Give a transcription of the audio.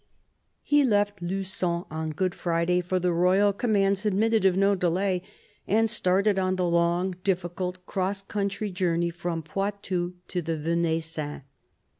He left LuQon on Good Friday, for the royal commands admitted of no delay, and started on the long, difficult, cross country journey from Poitou to the Venaissin.